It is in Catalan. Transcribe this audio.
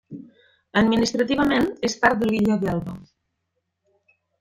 Administrativament és part de l'illa d'Elba.